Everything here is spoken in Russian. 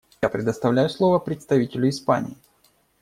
Я предоставляю слово представителю Испании.